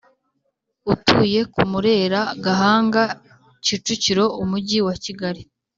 utuye Kamurera, Gahanga, Kicukiro , Umujyi wa Kigali